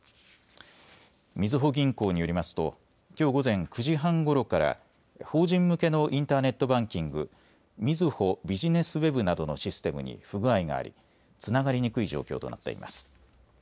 みずほ銀行によりますときょう午前９時半ごろから法人向けのインターネットバンキング、みずほビジネスＷＥＢなどのシステムに不具合がありつながりにくい状況となっています。